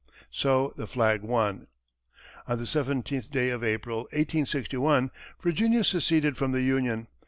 So the flag won. On the seventeenth day of April, 1861, Virginia seceded from the Union.